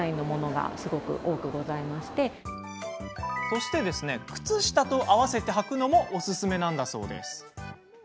そして、靴下と合わせて履くのもおすすめなんだそうです。